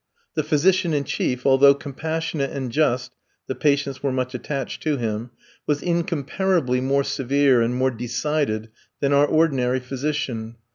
The physician in chief, although compassionate and just (the patients were much attached to him), was incomparably more severe and more decided than our ordinary physician.